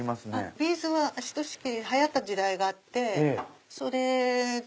ビーズは流行った時代があってそれで。